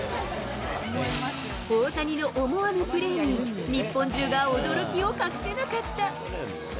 大谷の思わぬプレーに、日本中が驚きを隠せなかった。